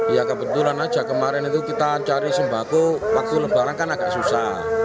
ya kebetulan aja kemarin itu kita cari sembako waktu lebaran kan agak susah